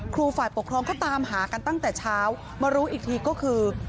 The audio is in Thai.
ฝ่ายปกครองก็ตามหากันตั้งแต่เช้ามารู้อีกทีก็คือ